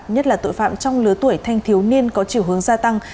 nhất là tội phạm trong lứa tuổi thanh thiếu niên có chiều hướng gia tăng